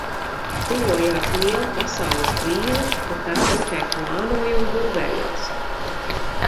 "Tuvojās liela Pasaules krīze, bet tēvs tikai "plānoja" un "būvējās"."